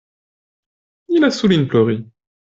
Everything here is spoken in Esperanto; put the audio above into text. Ni lasu lin plori.